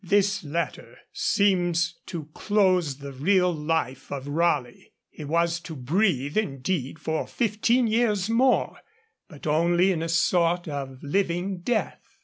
This letter seems to close the real life of Raleigh. He was to breathe, indeed, for fifteen years more, but only in a sort of living death.